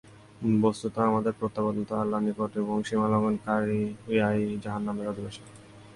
বস্তৃত আমাদের প্রত্যাবর্তন তো আল্লাহর নিকট এবং সীমালংঘনকারীরাই জাহান্নামের অধিবাসী।